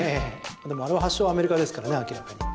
でも、あれは発祥、アメリカですからね明らかに。